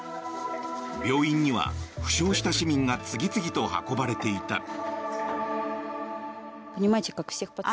病院には負傷した市民が次々と運ばれていた。